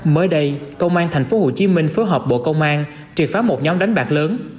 mới đây công an tp hcm phối hợp bộ công an triệt phá một nhóm đánh bạc lớn